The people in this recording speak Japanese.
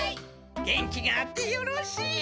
元気があってよろしい。